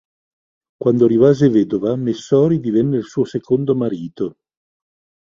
Quando rimase vedova, Messori divenne il suo secondo marito.